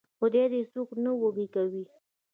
خدای دې څوک نه وږي کوي.